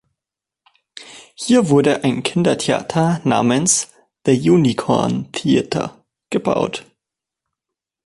Hier wurde ein Kindertheater namens The Unicorn Theatre gebaut.